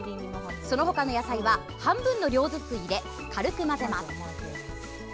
その他の野菜は半分の量ずつ入れ軽く混ぜます。